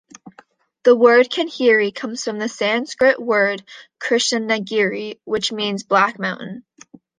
The word Kanheri comes from the Sanskrit word "Krishnagiri" which means "black mountain".